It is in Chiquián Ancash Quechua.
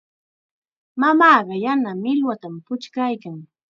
Mamaaqa yana millwatam puchkaykan.